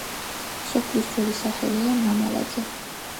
სოფლის ძველი სახელია მამალაძე.